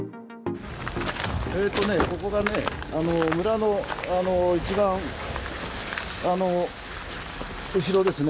ここがね、村の一番後ろですね。